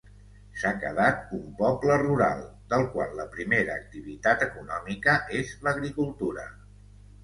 S'ha quedat un poble rural, del qual la primera activitat econòmica és l'agricultura.